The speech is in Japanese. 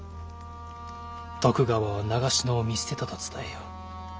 徳川は長篠を見捨てたと伝えよ。